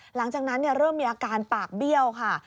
หลังจากนั้นเริ่มมีอาการปากเบี้ยวค่ะ